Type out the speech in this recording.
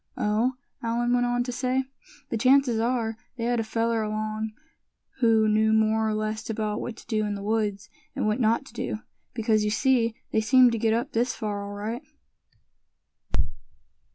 "Oh!" Allan went on to say, "the chances are, they had a fellow along who knew more or less about what to do in the woods, and what not to do; because you see, they seemed to get up this far all right."